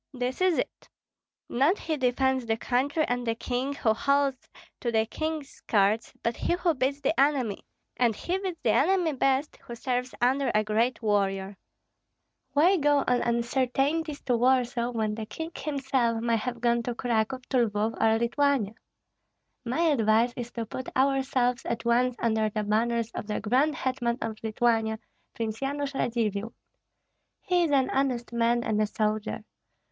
This is it: not he defends the country and the king who holds to the king's skirts, but he who beats the enemy; and he beats the enemy best who serves under a great warrior. Why go on uncertainties to Warsaw, when the king himself may have gone to Cracow, to Lvoff or Lithuania? My advice is to put ourselves at once under the banners of the grand hetman of Lithuania, Prince Yanush Radzivill. He is an honest man and a soldier.